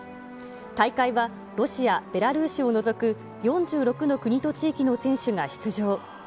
大会はロシア、ベラルーシを除く、４６の国と地域の選手が出場。